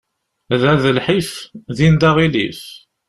Da d lḥif, din d aɣilif.